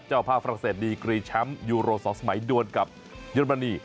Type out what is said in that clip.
เจ้าภาพฝรั่งเศสดีกรีแชมป์ยูโร๒สมัยดวนกับเยอรมนี